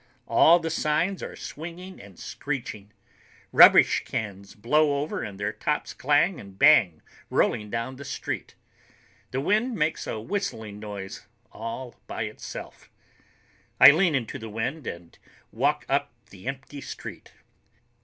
All the signs are swinging and screeching. Rubbish cans blow over and their tops clang and bang rolling down the street. The wind makes a whistling noise all by itself. I lean into the wind and walk up the empty street.